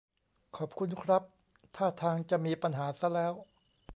ขอบคุณครับ ท่าทางจะมีปัญหาซะแล้ว